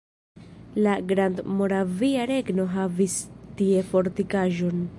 La Grandmoravia Regno havis tie fortikaĵon.